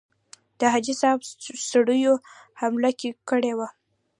د حاجي صاحب سړیو حمله کړې وه.